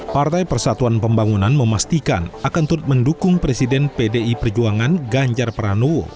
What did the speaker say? partai persatuan pembangunan memastikan akan turut mendukung presiden pdi perjuangan ganjar pranowo